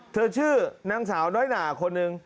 เธอชื่อนางสาวน้อยนาคนนึง